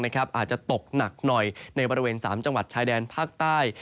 อาจจะตกหนักหน่อยในบริเวณ๓จังหวัดชายแดนภาคใต้